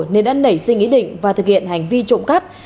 nên đã nảy sinh ý định và thực hiện hành vi trộm cắp